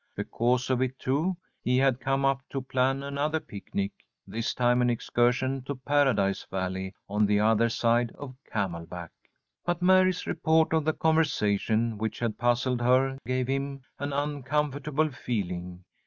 Because of it, too, he had come up to plan another picnic, this time an excursion to Paradise Valley on the other side of Camelback. But Mary's report of the conversation which had puzzled her gave him an uncomfortable feeling.